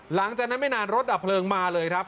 หลังจากนั้นไม่นานรถดับเพลิงมาเลยครับ